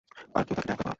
আরে কেউ তাকে ডায়পার পরাও।